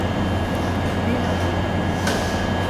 Ne mi olacak?